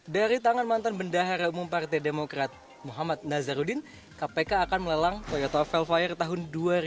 dari tangan mantan bendahara umum partai demokrat muhammad nazarudin kpk akan melelang toyota velfire tahun dua ribu dua puluh